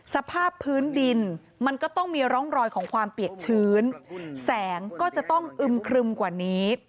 สภาพพื้นดินมันก็ต้องมีร่องรอยของความเปียกชื้นแสงก็จะต้องอึมครึมกว่านี้